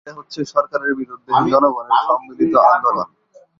এটা হচ্ছে সরকারের বিরুদ্ধে জনগণের সম্মিলিত আন্দোলন।